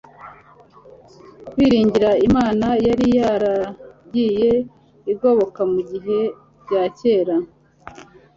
kwiringira Imana yari yaragiye igoboka mu bihe bya kera